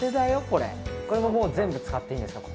これこれも全部使っていいんですか？